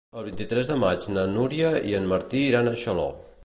El vint-i-tres de maig na Núria i en Martí iran a Xaló.